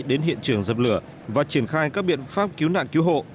đến hiện trường dập lửa và triển khai các biện pháp cứu nạn cứu hộ